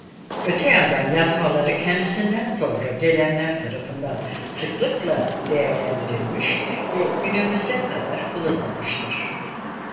Öte yandan yazmaları kendisinden sonra gelenler tarafından sıklıkla değerlendirilmiş ve günümüze kadar kullanılmıştır.